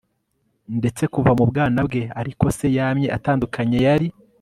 ndetse kuva mu bwana bwe, ariko se yamye atandukanye. yari